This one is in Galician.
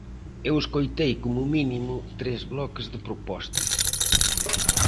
Eu escoitei, como mínimo, tres bloques de propostas.